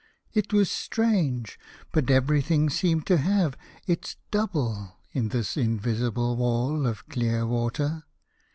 It was strange, but everything seemed to have its double in this invisible wall of clear water.